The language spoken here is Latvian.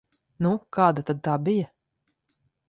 Nu, kāda tad tā bija?